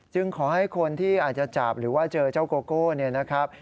ขอให้คนที่อาจจะจับหรือว่าเจอเจ้าโกโก้เนี่ยนะครับ